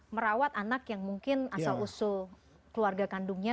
merawat anak yang mungkin asal usul keluarga kandungnya